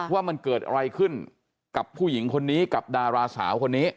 ว่ามันเกิดอะไรขึ้นกับผู้หญิงคนนี้กับดาราสาวคนนี้